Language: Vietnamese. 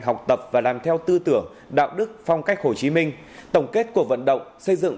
học tập và làm theo tư tưởng đạo đức phong cách hồ chí minh tổng kết cuộc vận động xây dựng